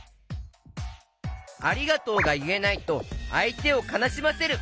「ありがとう」がいえないとあいてをかなしませる。